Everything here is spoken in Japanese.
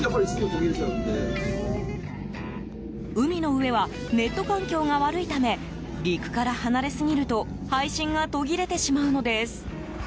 海の上はネット環境が悪いため陸から離れすぎると配信が途切れてしまうのです。